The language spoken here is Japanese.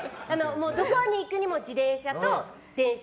どこに行くにも自転車と電車。